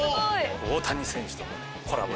大谷選手とのコラボ。